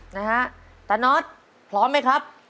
นะฮะตาน็อตพร้อมไหมครับ